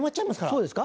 そうですか？